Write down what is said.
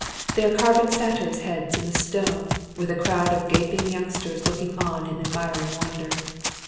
They are carving satyrs' heads in the stone, with a crowd of gaping youngsters looking on in admiring wonder.